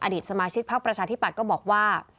อดีตสมาชิกพักประชาธิปัตย์ก็บอกว่า